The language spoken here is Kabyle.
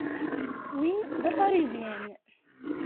Win d Aparizyan.